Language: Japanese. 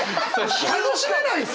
楽しめないって！